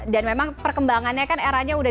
dan memang perkembangannya kan eranya udah